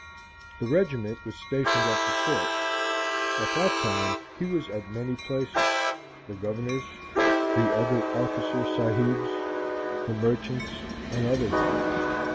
"The regiment was stationed at the fort. At that time he was at many places the governor's, the other officer sahibs', the merchants', and others'.